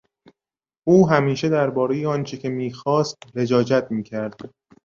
او همیشه دربارهی آنچه که میخواست لجاجت میکرد.